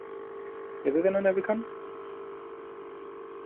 Γιατί δεν ανέβηκαν;